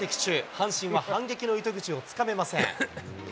阪神は反撃の糸口をつかめません。